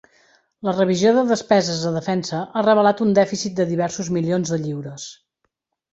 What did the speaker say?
La revisió de despeses de defensa ha revelat un dèficit de diversos milions de lliures.